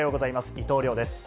伊藤遼です。